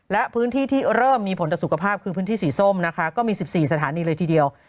และพื้นที่ที่เริ่มมีผลต่อสุขภาพคือพื้นที่สีส้มนะคะก็มี๑๔สถานีเลยทีเดียว